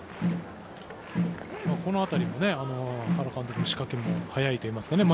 この辺りも原監督の仕掛けも早いといいますか。